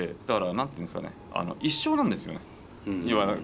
だから何て言うんですかね一生なんですよね。